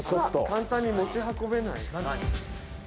簡単に持ち運べない？